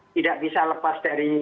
tidak bisa lepas dari